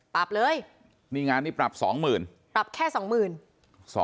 ปรับเลยงานนี้ปรับ๒๐๐๐๐บาทปรับแค่๒๐๐๐๐บาท